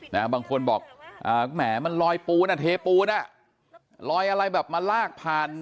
บางคนบอกอ่าแหมมันลอยปูนอ่ะเทปูนอ่ะลอยอะไรแบบมาลากผ่าน